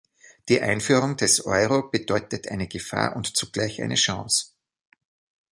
Die Einführung des Euro bedeutet eine Gefahr und zugleich eine Chance.